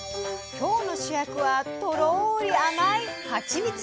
今日の主役はとろり甘い「ハチミツ」。